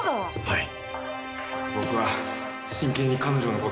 はい！